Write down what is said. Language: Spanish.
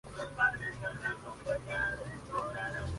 Luchó como miliciano en la Guerra Civil Española.